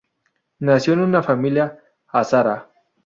Nacido en una familia Hazara.